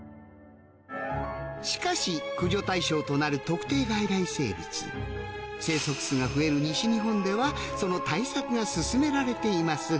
しかし駆除対象となる特定外来生物生息数が増える西日本ではその対策が進められています